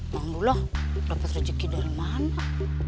mang dula dapet rezeki dari mana